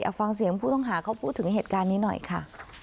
เอาฟังเสียงผู้ต้องหาเขาพูดถึงเหตุการณ์นี้หน่อยค่ะ